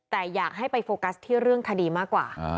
แต่อยากให้ไปโฟกัสที่เรื่องคดีมากกว่า